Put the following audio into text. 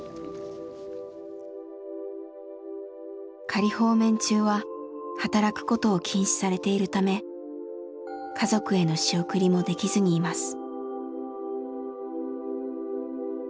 仮放免中は働くことを禁止されているため家族への仕送りもできずにいます。